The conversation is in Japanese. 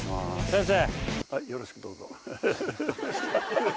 先生。